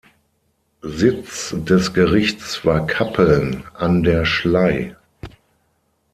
Sitz des Gerichts war Kappeln an der Schlei.